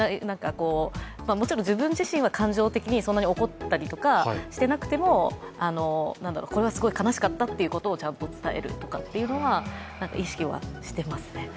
自分自身は感情的に怒ったりしていなくても、これはすごい悲しかったということをちゃんと伝えるというのは意識はしていますね。